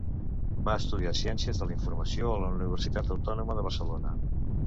Va estudiar Ciències de la Informació a la Universitat Autònoma de Barcelona.